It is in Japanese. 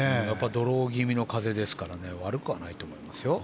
ドロー気味の風ですから悪くはないと思いますよ。